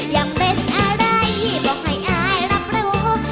อยากเป็นอะไรบอกให้อายรับรู้